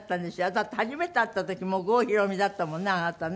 だって初めて会った時もう郷ひろみだったものねあなたね。